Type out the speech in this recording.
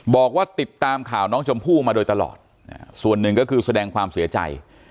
บอกว่าติดตามข่าวน้องชมพู่มาโดยตลอดส่วนหนึ่งก็คือแสดงความเสียใจ